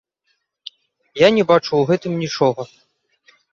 Я не бачу ў гэтым нічога.